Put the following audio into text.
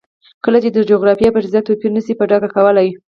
کله چې د جغرافیې فرضیه توپیر نه شي په ډاګه کولی.